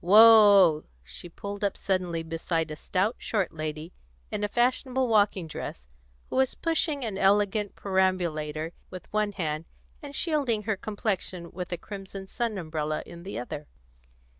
Whoa!" She pulled up suddenly beside a stout, short lady in a fashionable walking dress, who was pushing an elegant perambulator with one hand, and shielding her complexion with a crimson sun umbrella in the other.